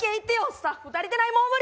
スタッフ足りてないもう無理！